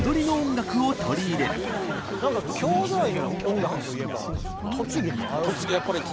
なんか郷土愛の音楽といえば栃木にもある。